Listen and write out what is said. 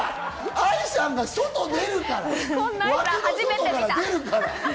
愛さんが外出るから！